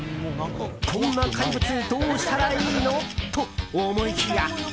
こんな怪物どうしたらいいのと思いきや。